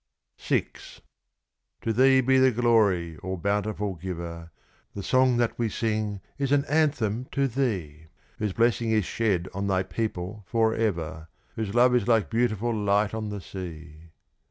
VI To Thee be the glory, All Bountiful Giver! The song that we sing is an anthem to Thee, Whose blessing is shed on Thy people for ever, Whose love is like beautiful light on the sea.